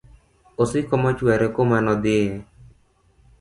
osiko mochwere kuma nodhie.